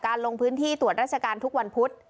ลงพื้นที่ตรวจราชการทุกวันพุธ